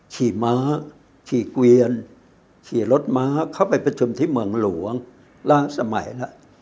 ขี่ม้าขี่เกวียนขี่รถม้าเข้าไปประชุมที่เมืองหลวงล่างสมัยแล้ว